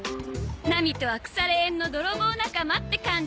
ナミとは腐れ縁の泥棒仲間って感じ。